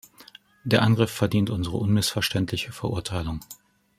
Der Angriff verdient unsere unmissverständliche Verurteilung.